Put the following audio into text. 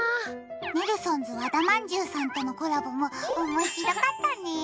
ネルソンズ和田まんじゅうさんとのコラボも面白かったね。